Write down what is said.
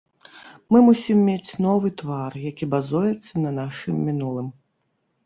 Мы мусім мець новы твар, які базуецца на нашым мінулым.